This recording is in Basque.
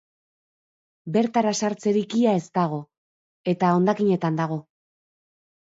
Bertara sartzerik ia ez dago eta hondakinetan dago.